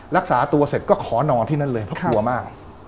รักษาตัวเสร็จก็ขอนอนที่นั่นเลยเพราะกลัวมาก